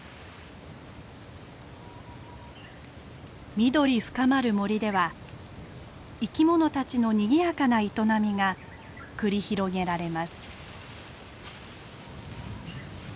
緑深まる森では生き物たちのにぎやかな営みが繰り広げられます。